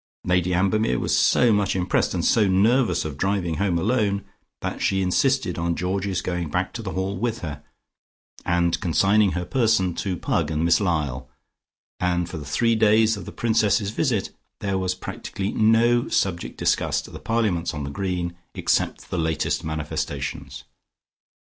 Lady Ambermere was so much impressed, and so nervous of driving home alone, that she insisted on Georgie's going back to the Hall with her, and consigning her person to Pug and Miss Lyall, and for the three days of the Princess's visit, there was practically no subject discussed at the parliaments on the Green, except the latest manifestations.